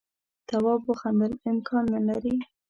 تواب وخندل امکان نه لري.